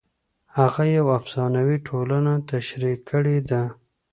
هغه یوه افسانوي ټولنه تشریح کړې ده.